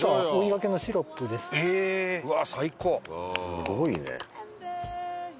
すごいね。